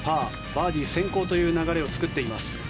バーディー先行という流れを作っています。